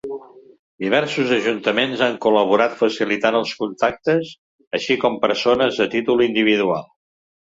Diversos ajuntaments han col·laborat facilitant els contactes, així com persones a títol individual.